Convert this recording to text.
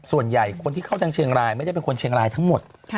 ส่วนใหญ่คนที่เข้าทางเชียงรายไม่ได้เป็นคนเชียงรายทั้งหมด